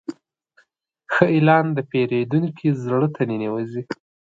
ښه اعلان د پیرودونکي زړه ته ننوځي.